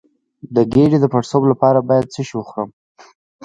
د ګیډې د پړسوب لپاره باید څه شی وخورم؟